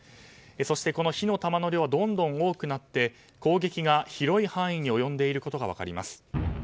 そして、この火の玉の量はどんどん多くなって攻撃が広い範囲に及んでいることが分かります。